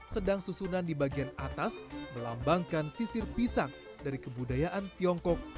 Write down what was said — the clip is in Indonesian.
sedang susunan di bagian atas melambangkan sisir pisang dari kebudayaan tiongkok